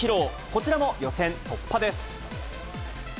こちらも予選突破です。